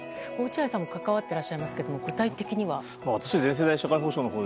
落合さんも関わっていらっしゃいますけどいかがでしょう。